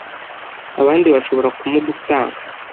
abandi bashobora kumugutanga